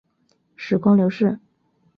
时光流逝